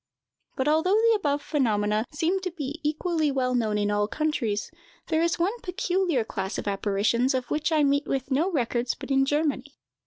But, although the above phenomena seem to be equally well known in all countries, there is one peculiar class of apparitions of which I meet with no records but in Germany.